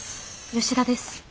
吉田です。